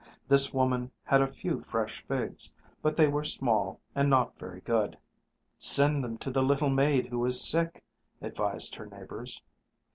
This woman had a few fresh figs, but they were small and not very good. "Send them to the little maid who is sick," advised her neighbors.